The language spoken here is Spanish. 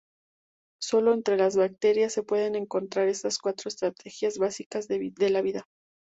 Sólo entre las bacterias se pueden encontrar estas cuatro estrategias básicas de la vida.